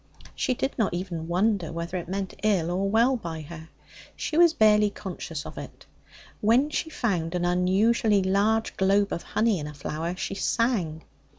She did not even wonder whether it meant ill or well by her. She was barely conscious of it. When she found an unusually large globe of honey in a flower, she sang.